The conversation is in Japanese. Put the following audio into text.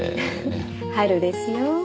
春ですよ。